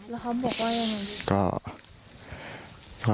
แล้วเขาบอกว่ายังไง